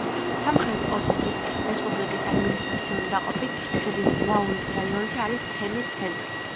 სამხრეთ ოსეთის რესპუბლიკის ადმინისტრაციული დაყოფით შედის ზნაურის რაიონში, არის თემის ცენტრი.